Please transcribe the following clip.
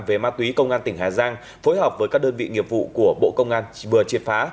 về ma túy công an tỉnh hà giang phối hợp với các đơn vị nghiệp vụ của bộ công an vừa triệt phá